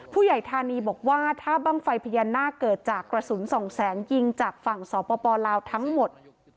ธานีบอกว่าถ้าบ้างไฟพญานาคเกิดจากกระสุนสองแสงยิงจากฝั่งสปลาวทั้งหมด